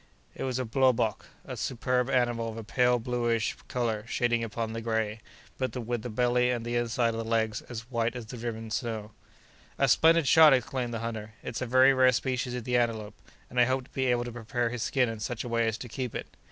It was a blauwbok, a superb animal of a pale bluish color shading upon the gray, but with the belly and the inside of the legs as white as the driven snow. "A splendid shot!" exclaimed the hunter. "It's a very rare species of the antelope, and I hope to be able to prepare his skin in such a way as to keep it."